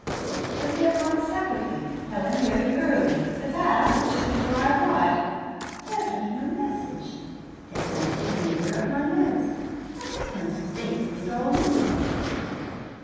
"But they have gone separately Helen very early, the Basts just before I arrived. They have left no message. They have answered neither of my notes. I don't like to think what it all means."